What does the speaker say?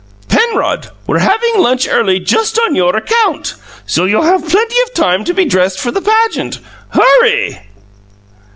"Penrod! We're having lunch early just on your account, so you'll have plenty of time to be dressed for the pageant. Hurry!"